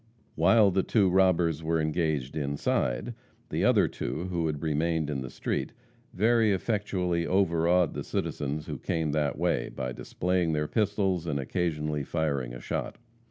While the two robbers were engaged inside, the other two, who had remained in the street, very effectually overawed the citizens who came that way, by displaying their pistols and occasionally firing a shot.